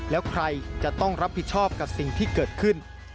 แล้วใครจะต้องรับผิดชอบกับสิ่งที่เกิดขึ้น